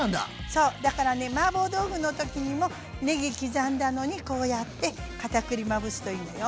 そうだからねマーボー豆腐の時にもねぎ刻んだのにこうやって片栗まぶすといいのよ。